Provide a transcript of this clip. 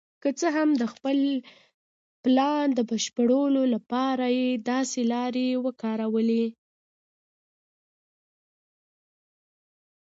که څه هم چې د خپل پلان د بشپړولو لپاره یې داسې لارې وکارولې.